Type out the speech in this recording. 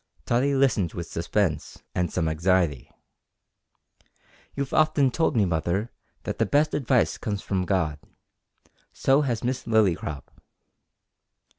Tottie listened with suspense and some anxiety. "You've often told me, mother, that the best advice comes from God. So has Miss Lillycrop."